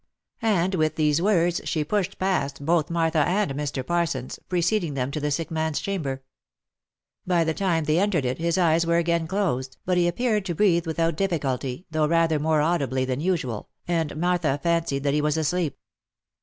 And with these words she pushed past both Martha and Mr. Par sons, preceding them to the sick man's chamber. By the time they entered it his eyes were again closed, but he appeared to breathe without difficulty, though rather more audibly than usual, and Martha fancied that he was asleep.